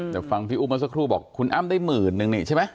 แต่ฟังพี่อุ้มเมื่อสักครู่บอกคุณอ้ำได้หมื่นนึงนี่ใช่ไหม